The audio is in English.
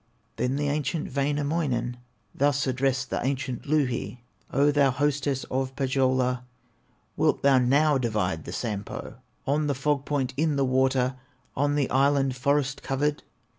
Then the ancient Wainamoinen Thus addressed the ancient Louhi: "O thou hostess of Pohyola, Wilt thou now divide the Sampo, On the fog point in the water, On the island forest covered?"